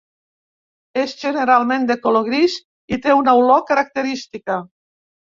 És generalment de color gris i té una olor característica.